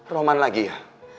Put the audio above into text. roman lagi ya